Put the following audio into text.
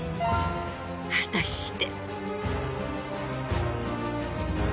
果たして。